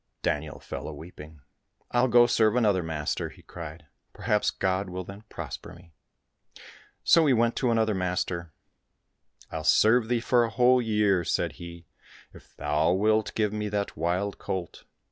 Daniel fell a weeping. " I'll go serve another master," he cried, " perhaps God will then prosper me !" So he went to another master. " I'll serve thee for a whole year," said he, "if thou wilt give me that wild colt."